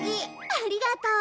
ありがとう。